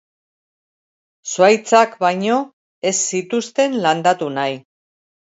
Zuhaitzak baino ez zituzten landatu nahi.